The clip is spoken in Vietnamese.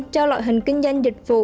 cho loại hình kinh doanh dịch vụ